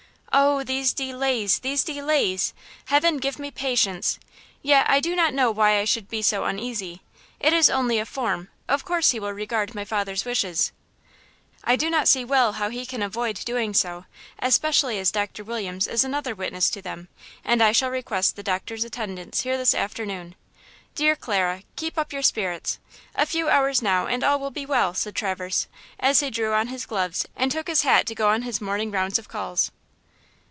"Oh! these delays! these delays! Heaven give me patience! Yet I do not know why I should be so uneasy. It is only a form; of course he will regard my father's wishes." "I do not see well how he can avoid doing so, especially as Doctor Williams is another witness to them, and I shall request the doctor's attendance here this afternoon. Dear Clara, keep up your spirits! A few hours now and all will be well," said Traverse, as he drew on his gloves and took his hat to go on his morning rounds of calls.